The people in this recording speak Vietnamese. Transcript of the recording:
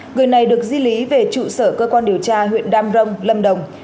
người này được di lý về trụ sở cơ quan điều tra huyện đam rông lâm đồng